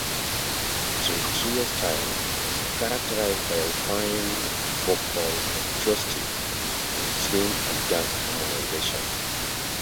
Tre Trio style was characterized by refined vocal virtuosity on swing and jazz harmonization.